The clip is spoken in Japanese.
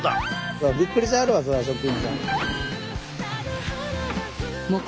そらびっくりしはるわ職員さん。